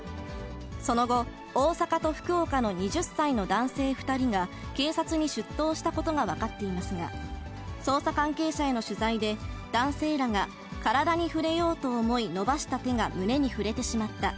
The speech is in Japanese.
その後、大阪と福岡の２０歳の男性２人が、警察に出頭したことが分かっていますが、捜査関係者への取材で、男性らが、体に触れようと思い、伸ばした手が胸に触れてしまった。